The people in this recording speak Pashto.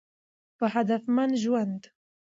په هدفمند ژوند